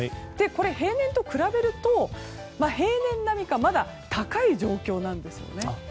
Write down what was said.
平年と比べると平年並みかまだ高い状況なんですよね。